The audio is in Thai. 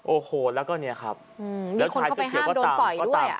โอ้โหแล้วก็เนี่ยครับมีคนเข้าไปห้ามโดนต่อยด้วย